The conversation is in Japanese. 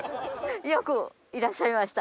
よくいらっしゃいました。